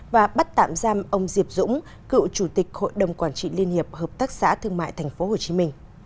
và bắt tạm giam ông diệp dũng cựu chủ tịch hội đồng quản trị liên hiệp hợp tác xã thương mại tp hcm